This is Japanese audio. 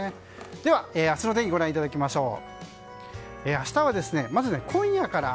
では、明日の天気ご覧いただきましょう。